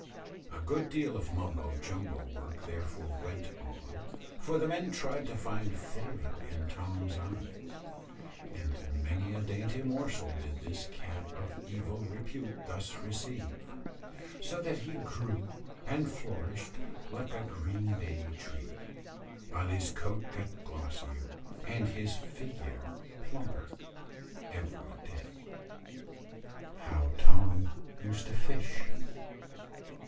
A good deal of mumbo jumbo work therefore went on, for the men tried to find favour in Tom's eyes, and many a dainty morsel did this cat of evil repute thus receive; so that he grew and flourished like a green bay tree, while his coat got glossier and his figure plumper every day. HOW TOM USED TO FISH.